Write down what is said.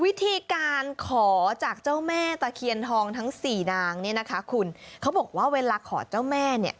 วิธีการขอจากเจ้าแม่ตะเคียนทองทั้งสี่นางเนี่ยนะคะคุณเขาบอกว่าเวลาขอเจ้าแม่เนี่ย